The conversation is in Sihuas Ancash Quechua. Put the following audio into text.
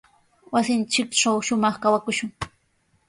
Wasinchiktraw shumaq kawakushun.